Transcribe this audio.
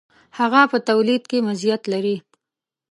هغه په تولید کې مزیت لري.